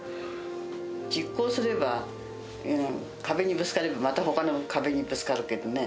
実行すれば、壁にぶつかって、またほかの壁にぶつかるけどね。